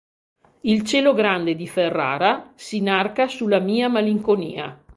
Il cielo grande di Ferrara s'inarca sulla mia malinconia.